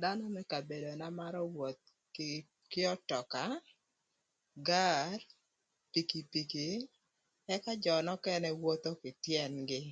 Dhanö më kabedona marö wöth kï k'ötöka, gar, pikipiki, ëka jö nökënë wotho kï tyën-gï